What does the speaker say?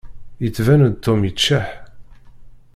Yettban-d Tom yeččeḥ.